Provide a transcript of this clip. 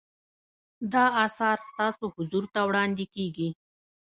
دا اثر ستاسو حضور ته وړاندې کیږي.